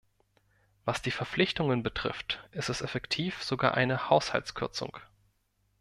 Was die Verpflichtungen betrifft, ist es effektiv sogar eine Haushaltskürzung.